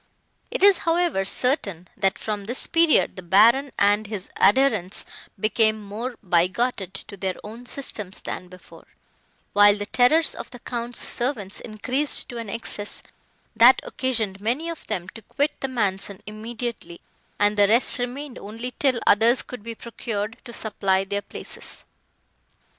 It is, however, certain, that from this period the Baron and his adherents became more bigoted to their own systems than before, while the terrors of the Count's servants increased to an excess, that occasioned many of them to quit the mansion immediately, and the rest remained only till others could be procured to supply their places.